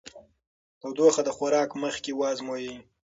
تودوخه د خوراک مخکې وازمویئ.